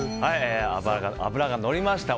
脂がのりました